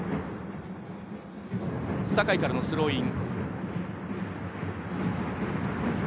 酒井からのスローイン。